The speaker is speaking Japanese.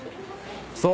そう。